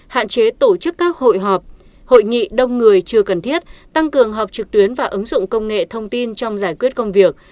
hạn chế tổ chức các hội họp hội nghị đông người chưa cần thiết tăng cường họp trực tuyến và ứng dụng công nghệ thông tin trong giải quyết công việc